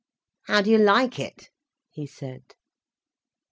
"How do you like it?" he said.